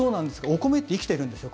お米って生きてるんですよ。